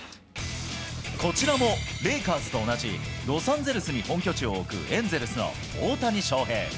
こちらもレイカーズと同じロサンゼルスに本拠地を置く、エンゼルスの大谷翔平。